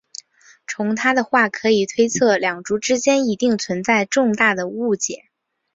从她的话可推测出两族之间一定存在重大的误解。